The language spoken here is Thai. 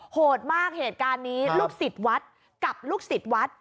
โหดมากเหตุการณ์นี้ลูกศิษย์วัดกับลูกศิษย์วัด